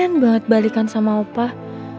kangen banget balikan sama opah